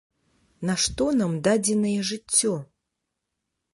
Нашто нам дадзенае жыццё?